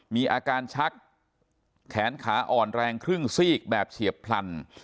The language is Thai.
มีอาการชักแขนขาอ่อนแรงครึ่งซีกแบบเฉียบพลัน